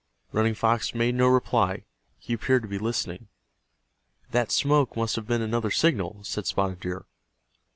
Running Fox made no reply. He appeared to be listening. "That smoke must have been another signal," said Spotted Deer.